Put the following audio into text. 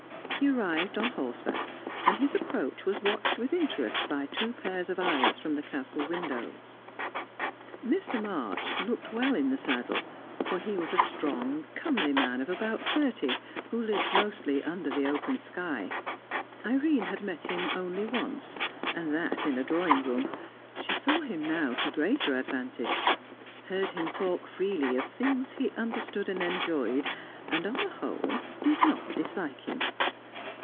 He arrived on horseback, and his approach was watched with interest by two pairs of eyes from the Castle windows. Mr. March looked well in the saddle, for he was a strong, comely man of about thirty, who lived mostly under the open sky. Irene had met him only once, and that in a drawing room; she saw him now to greater advantage, heard him talk freely of things he understood and enjoyed, and on the whole did not dislike him.